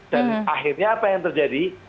dan akhirnya apa yang terjadi